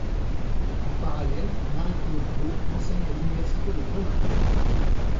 En parallèle, Marie-Claude Beaud enseigne à l’Université de Grenoble.